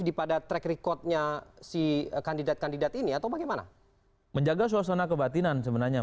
di pada track recordnya si kandidat kandidat ini atau bagaimana menjaga suasana kebatinan sebenarnya